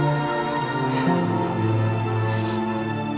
aku mau denger